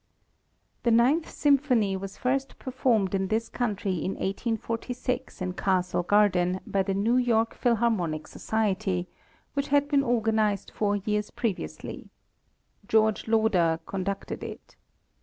The Ninth Symphony was first performed in this country in 1846 in Castle Garden, by the New York Philharmonic Society, which had been organized four years previously. George Loder conducted it.